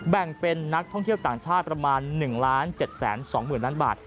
แบ่งเป็นนักท่องเที่ยวต่างชาติประมาณ๑๗๒๐๐๐ล้านบาท